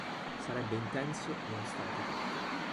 Sarebbe intenso nonostante tutto".